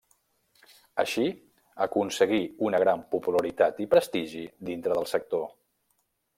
Així aconseguí una gran popularitat i prestigi dintre del sector.